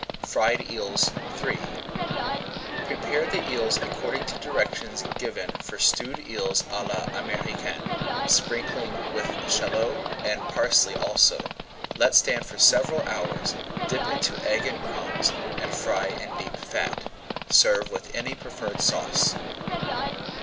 FRIED EELS III Prepare the eels according to directions given for Stewed Eels à la Americaine, sprinkling with shallot and parsley also. Let stand for several hours, dip into egg and crumbs, and fry in deep fat. Serve with any preferred sauce.